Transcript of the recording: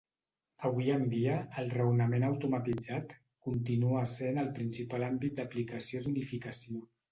Avui en dia, el raonament automatitzat continua essent el principal àmbit d'aplicació d'unificació.